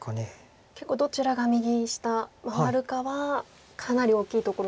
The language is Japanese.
結構どちらが右下回るかはかなり大きいところなんですね。